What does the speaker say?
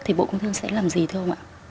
thì bộ công thương sẽ làm gì thưa ông ạ